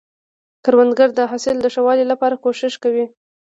کروندګر د حاصل د ښه والي لپاره کوښښ کوي